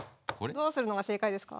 どうするのが正解ですか？